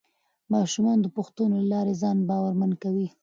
ماشومان د پوښتنو له لارې ځان باورمن کوي